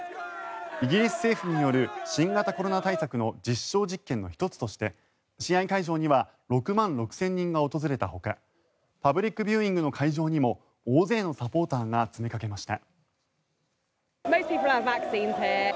イギリス政府による新型コロナウイルスの実証実験の１つとして試合会場には６万６０００人が訪れたほかパブリックビューイングの会場にも大勢のサポーターが詰めかけました。